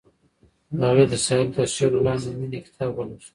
هغې د ساحل تر سیوري لاندې د مینې کتاب ولوست.